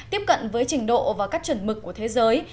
tiếp cận với trình độ và các chuẩn mực của thế giới